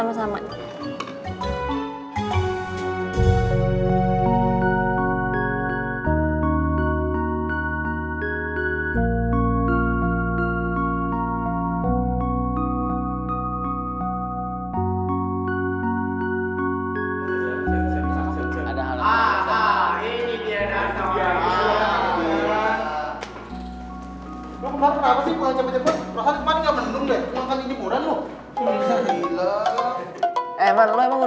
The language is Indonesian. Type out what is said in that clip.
gue paling kecepat sudah